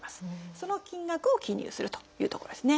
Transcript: その金額を記入するというところですね。